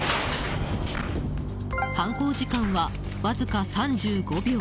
犯行時間はわずか３５秒。